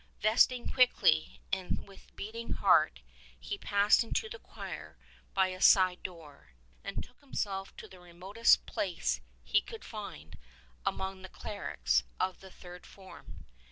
Vesting quickly, and with beating heart, he passed into the choir by a side door, and betook himself to the remotest place he could find among the clerics of the third form.